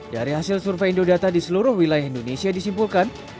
dari hasil survei indodata di seluruh wilayah indonesia disimpulkan